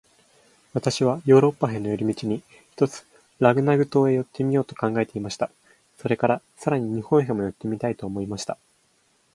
私はヨーロッパへの帰り途に、ひとつラグナグ島へ寄ってみようと考えていました。それから、さらに日本へも寄ってみたいと思いました。